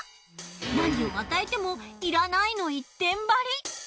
何を与えてもいらないの一点張り。